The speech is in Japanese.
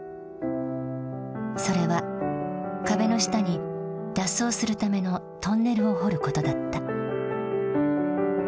それは壁の下に脱走するためのトンネルを掘ることだった。